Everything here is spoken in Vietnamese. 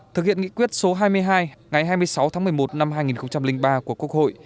thực hiện nghị quyết số hai mươi hai ngày hai mươi sáu tháng một mươi một năm hai nghìn ba của quốc hội